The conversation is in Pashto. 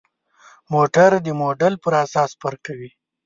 موټر د موډل پر اساس فرق کوي.